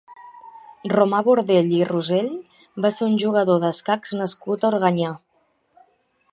Romà Bordell i Rosell va ser un jugador d'escacs nascut a Organyà.